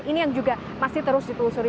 ini yang juga masih terus ditelusuri